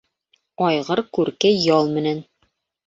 Айғыр күрке ял менән.